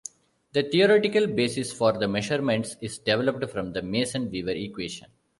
The theoretical basis for the measurements is developed from the Mason-Weaver equation.